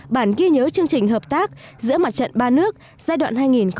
bản ghi nhớ chương trình hợp tác giữa mặt trận ba nước giai đoạn hai nghìn một mươi sáu hai nghìn hai mươi